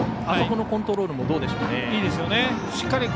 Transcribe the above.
あそこのコントロールもどうでしょうか。